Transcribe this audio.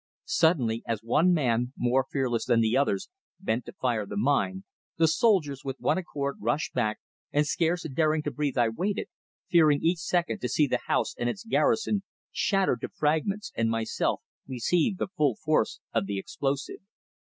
Suddenly, as one man, more fearless than the others, bent to fire the mine, the soldiers, with one accord, rushed back, and scarce daring to breathe I waited, fearing each second to see the house and its garrison shattered to fragments and myself receive the full force of the explosive.